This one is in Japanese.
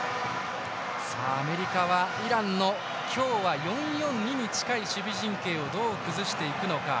アメリカはイランの今日は４−４−２に近い守備陣形をどう崩していくのか。